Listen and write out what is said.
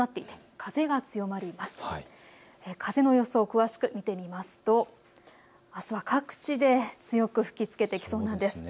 風の予想、詳しく見てみますとあすは各地で強く吹きつけてきそうです。